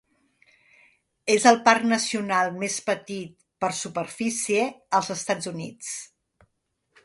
És el parc nacional més petit per superfície als Estats Units.